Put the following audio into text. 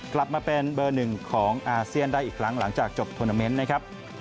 กลับมาเป็นเบอร์หนึ่งของอาเซียนได้อีกครั้งหลังจากจบทวนาเมนต์นะครับ